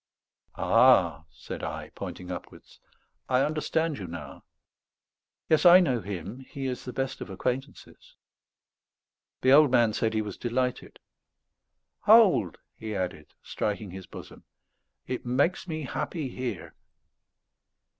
"Ah," said I, pointing upwards, "I understand you now. Yes, I know Him; He is the best of acquaintances." The old man said he was delighted. "Hold," he added, striking his bosom; "it makes me happy here."